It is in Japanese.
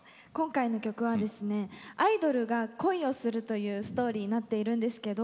今回の楽曲はアイドルが恋をするというストーリーになっています。